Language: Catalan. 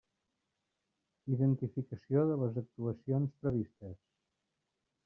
Identificació de les actuacions previstes.